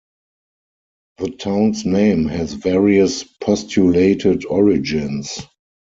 The town's name has various postulated origins.